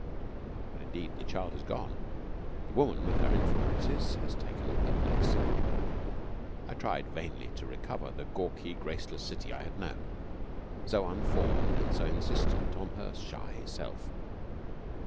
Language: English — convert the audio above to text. But, indeed, the child has gone; the woman with her influences has taken her place. I tried vainly to recover the gawky, graceless city I had known, so unformed and so insistent on her shy self.